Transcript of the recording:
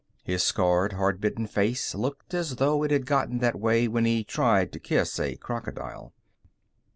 His scarred, hard bitten face looked as though it had gotten that way when he tried to kiss a crocodile.